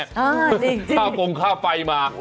จริงค่ะข้ากงค่าไฟมา